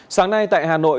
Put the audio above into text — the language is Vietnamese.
sáng nay tại hà nội